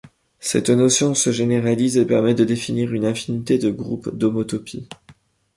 Cette notion se généralise et permet de définir une infinité de groupes d'homotopie.